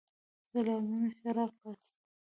سلامونه ښه راغلاست